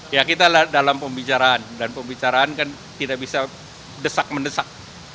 ya kita dalam pembicaraan dan pembicaraan kan tidak bisa desak mendesak